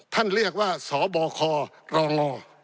ท่านเรียกว่าสบครองง